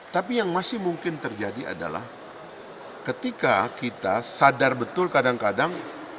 tapi yang masih mungkin terjadi adalah ketika kita sadar betul kadang kadang